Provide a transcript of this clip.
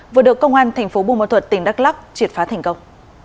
vừa được công an tp bun ban thuật tỉnh đắk lắk triệt phá thành công